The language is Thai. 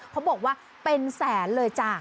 เขาบอกว่าเป็นแสนเลยจ้ะ